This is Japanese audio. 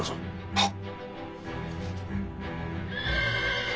はっ。